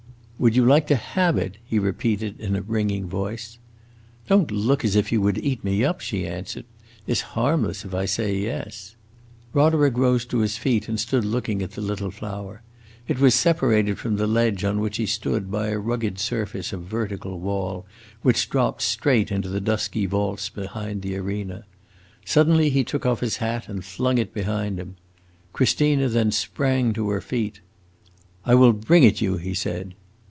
"Would you like to have it?" he repeated in a ringing voice. "Don't look as if you would eat me up," she answered. "It 's harmless if I say yes!" Roderick rose to his feet and stood looking at the little flower. It was separated from the ledge on which he stood by a rugged surface of vertical wall, which dropped straight into the dusky vaults behind the arena. Suddenly he took off his hat and flung it behind him. Christina then sprang to her feet. "I will bring it you," he said.